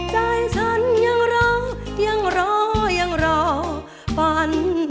ใจฉันยังรอยังรอปั้นไป